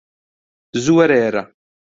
زوو وەرە ئێرە